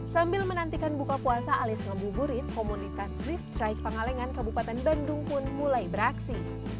sambil menantikan buka puasa alias ngabuburit komunitas drift trike pangalengan kabupaten bandung pun mulai beraksi